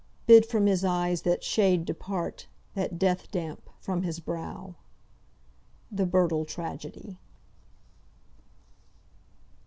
Bid from his eyes that shade depart, That death damp from his brow!" "THE BIRTLE TRAGEDY."